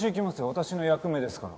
私の役目ですから。